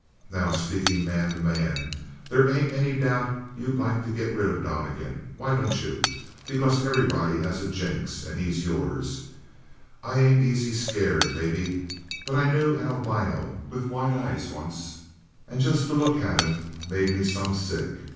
"'Now, speakin' man to man, they ain't any doubt that you'd like to get rid of Donnegan. Why don't you? Because everybody has a jinx, and he's yours. I ain't easy scared, maybe, but I knew an albino with white eyes once, and just to look at him made me some sick.